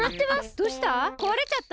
どうした？